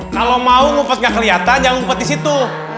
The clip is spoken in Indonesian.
kalau mau ngumpet gak keliatan jangan ngumpet disitu